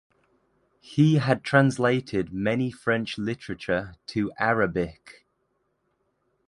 He had translated many French literature to Arabic.